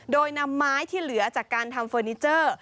โดยนำไม้ที่เหลือจากการทำเฟอร์นิเจอร์